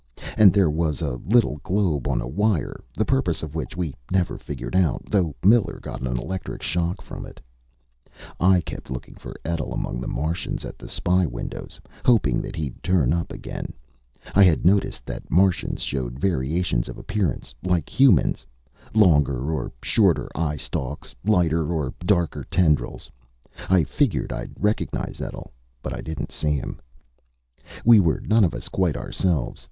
And there was s little globe on a wire, the purpose of which we never figured out, though Miller got an electric shock from it. I kept looking for Etl among the Martians at the spy windows, hoping that he'd turn up again. I had noticed that Martians showed variations of appearance, like humans longer or shorter eye stalks, lighter or darker tendrils.... I figured I'd recognize Etl. But I didn't see him. We were none of us quite ourselves.